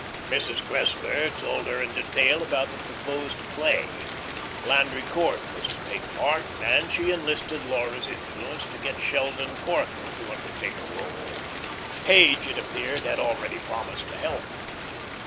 Mrs. Cressler told her in detail about the proposed play. Landry Court was to take part, and she enlisted Laura's influence to get Sheldon Corthell to undertake a role. Page, it appeared, had already promised to help.